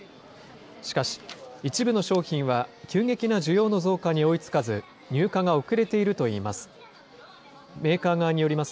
しかし、一部の商品は急激な需要の増加に追いつかず、入荷が遅れているといいます。